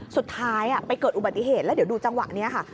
สุดท้ายไปเกิดอุบัติเหตุแล้วเดี๋ยวดูจังหวะนี้ค่ะ